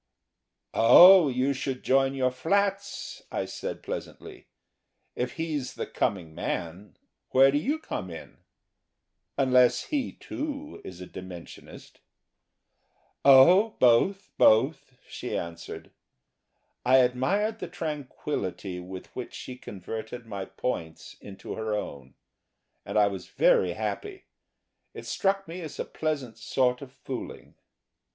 "Oh, you should join your flats," I said, pleasantly. "If he's the coming man, where do you come in?... Unless he, too, is a Dimensionist." "Oh, both both," she answered. I admired the tranquillity with which she converted my points into her own. And I was very happy it struck me as a pleasant sort of fooling....